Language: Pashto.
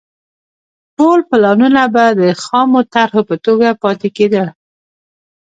ټول پلانونه به د خامو طرحو په توګه پاتې کېدل